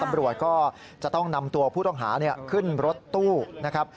ตำรวจก็จะต้องนำตัวผู้ต้องหาขึ้นรถตู้นะครับ